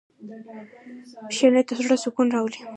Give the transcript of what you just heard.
ښه نیت د زړه سکون راولي.